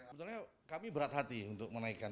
sebetulnya kami berat hati untuk menaikkan